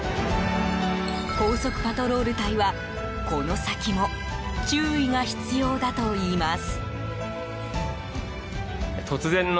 高速パトロール隊は、この先も注意が必要だといいます。